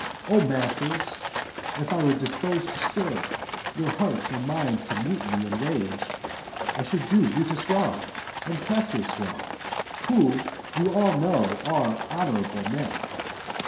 O, Masters! If I were disposed to stir Your hearts and minds to mutiny and rage, I should do Brutus wrong, and Cassius wrong, Who, you all know, are honorable men.